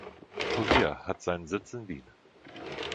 „Kurier“ hat seinen Sitz in Wien.